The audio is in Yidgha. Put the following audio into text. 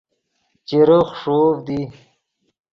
چیرے خݰوڤد ای